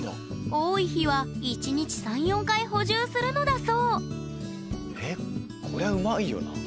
多い日は１日３４回補充するのだそうえっこりゃうまいよな。